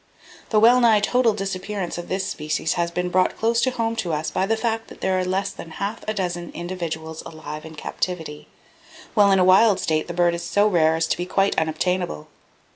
The well nigh total disappearance of this species has been brought close home to us by the fact that there are less than half a dozen individuals alive in captivity, while in a wild state the bird is so rare as to be quite unobtainable.